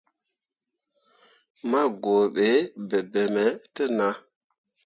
Ma guuɓe bebemme te nah.